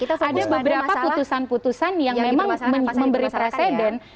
ada beberapa putusan putusan yang memang memberi presiden